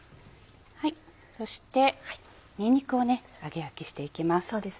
そしてにんにくを揚げ焼きしていきます。